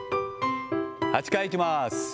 ８回いきます。